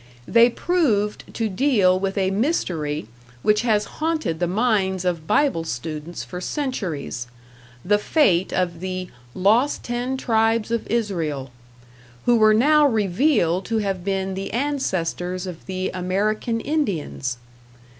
They proved to deal with a mystery which has haunted the minds of Bible students for centuries the fate of the "lost ten tribes of Israel", who were now revealed to have been the ancestors of the American Indians.